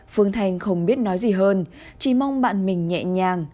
phương thanh không biết nói gì hơn chỉ mong bạn mình nhẹ nhàng